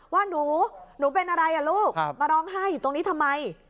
ว่าหนูหนูเป็นอะไรลูกมาร้องไห้อยู่ตรงนี้ทำไม